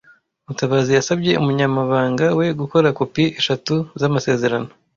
Mutabazi yasabye umunyamabanga we gukora kopi eshatu zamasezerano.